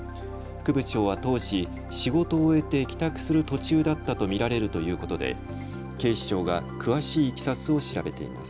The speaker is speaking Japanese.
副部長は当時、仕事を終えて帰宅する途中だったと見られるということで警視庁が詳しいいきさつを調べています。